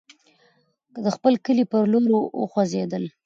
د خپل کلي پر لور وخوځېدل.